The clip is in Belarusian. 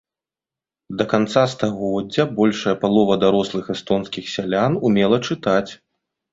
Да канца стагоддзя большая палова дарослых эстонскіх сялян умела чытаць.